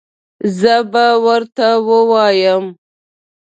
زه به ورته ووایم